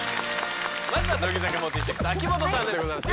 まずは乃木坂４６秋元さんでございます。